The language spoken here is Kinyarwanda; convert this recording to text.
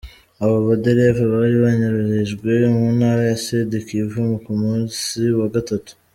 Abo badereva bari banyururijwe mu ntara ya Sud Kivu ku musi wa gatatu.